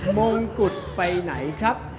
มงกุฎไปไหนครับ